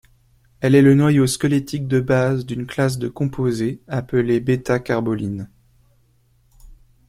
Elle est le noyau squelettique de base d'une classe de composés appelés β-carbolines.